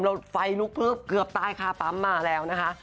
แล้วไฟลุกพลึบเกือบตายคาปั๊มมาแล้วนะคะ